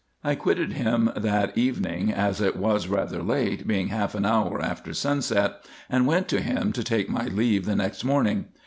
I quitted him that evening, as it was rather late, being half an hour after sunset, and went to him to take my leave the next morning.